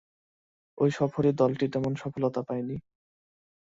ঐ সফরে দলটি তেমন সফলতা পায়নি।